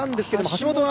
橋本